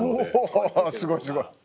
おすごいすごい。